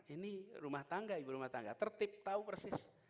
ini rumah tangga ibu rumah tangga tertib tahu persis